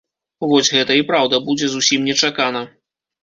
Вось гэта і праўда будзе зусім нечакана.